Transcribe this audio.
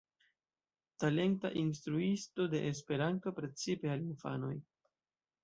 Talenta instruisto de Esperanto, precipe al infanoj.